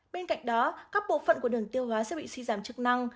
bên cạnh đó các bộ phận của đường tiêu hóa sẽ bị suy giảm chức năng